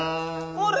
あれ？